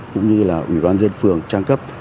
cũng như là ủy ban dân phường trang cấp